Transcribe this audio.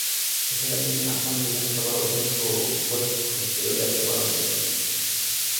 এছাড়া, তিনি আসাম বিধানসভার অধ্যক্ষ ও উপাধ্যক্ষ হিসেবেও দায়িত্ব পালন করেছিলেন।